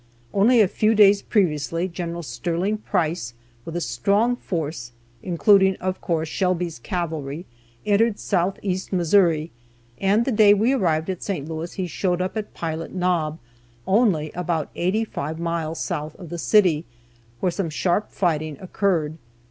Only a few days previously Gen. Sterling Price with a strong force, including, of course, Shelby's cavalry, entered southeast Missouri, and the day we arrived at St. Louis he showed up at Pilot Knob, only about 85 miles south of the city, where some sharp fighting occurred.